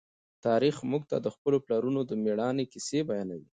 تاریخ موږ ته د خپلو پلرونو د مېړانې کیسې بیانوي.